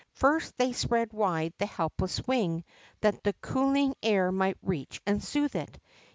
First, they spread wide the helpless wing that the cooling air might reach and soothe it.